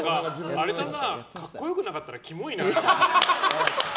あれだな格好良くなかったらキモいな。